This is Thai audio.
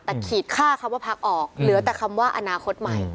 แต่ขีดค่าคำว่าพักออกเหลือแต่คำว่าอนาคตใหม่